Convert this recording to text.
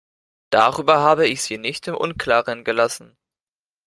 Darüber habe ich sie nicht im Unklaren gelassen.